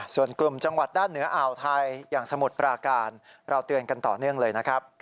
ส่วนกลุ่มจังหวัดด้านเหนืออ่าวไทยอย่างสมุทรปราการเราเตือนกันต่อเนื่องเลยนะครับ